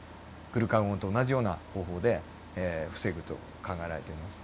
グルカゴンと同じような方法で防ぐと考えられています。